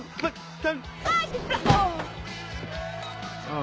あ。